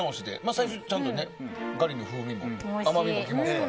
最終的にちゃんとガリの風味甘みも来ますから。